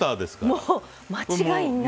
もう間違いない。